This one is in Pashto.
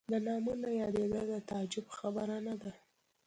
د نامه نه یادېدل د تعجب خبره نه ده.